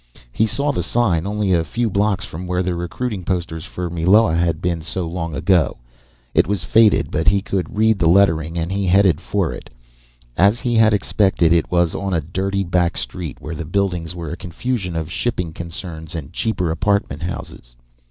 He saw the sign, only a few blocks from where the recruiting posters for Meloa had been so long ago. It was faded, but he could read the lettering, and he headed for it. As he had expected, it was on a dirty back street, where the buildings were a confusion of shipping concerns and cheaper apartment houses.